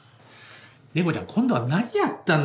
麗子ちゃん今度は何やったんだよ。